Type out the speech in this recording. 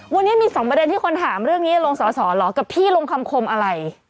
วันนี้มี๒ประเด็นที่คนถามเรื่องนี้ลงสอสอเหรอกับพี่ลงคำคมอะไร